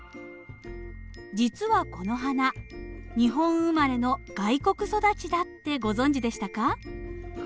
実はこの花日本生まれの外国育ちだってご存じでしたか？